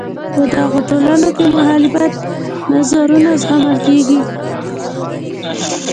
په دغو ټولنو کې مخالف نظرونه زغمل کیږي.